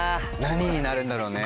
何になるんだろうね。